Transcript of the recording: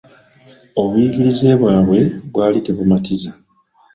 Obuyigirize bwabwe bwaali tebumatiza.